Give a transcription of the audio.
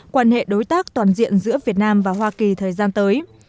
quan hệ đối tác toàn diện giữa việt nam và hoa kỳ thời gian tới